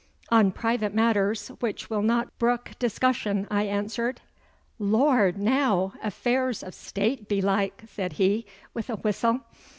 'On private matters which will not brook discussion,' I answered. 'Lor', now! Affairs o' State belike,' said he, with a whistle.